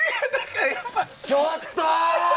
ちょっとー！